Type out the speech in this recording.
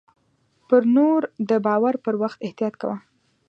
پر نور د باور پر وخت احتياط کوه .